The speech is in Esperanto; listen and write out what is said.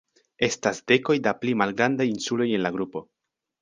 Estas dekoj da pli malgrandaj insuloj en la grupo.